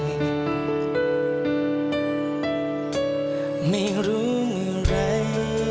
ไม่รู้เมื่อไร